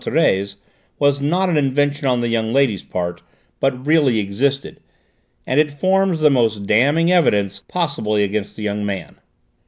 Thérèse, was not an invention on that young lady's part, but really existed; and it forms the most damning evidence possible against the young man.